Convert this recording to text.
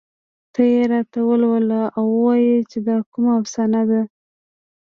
ته یې راته ولوله او ووايه چې دا کومه افسانه ده